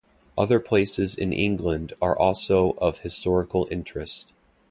Other places in England are also of historical interest.